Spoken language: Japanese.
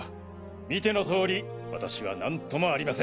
見てのとおり私は何ともありません。